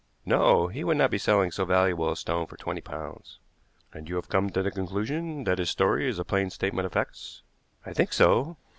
"No; he would not be selling so valuable a stone for twenty pounds." "And you have come to the conclusion that his story is a plain statement of facts?" "I think so."